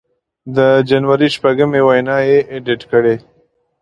د جنوري شپږمې وینا یې اېډېټ کړې